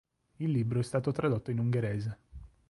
Il libro è stato tradotto in ungherese.